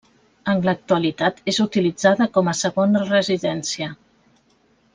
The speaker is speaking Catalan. En l'actualitat és utilitzada com a segona residència.